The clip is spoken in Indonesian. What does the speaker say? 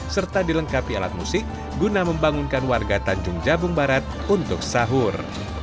serta dilengkapi alat musik guna membangunkan warga tanjung jabung barat untuk sahur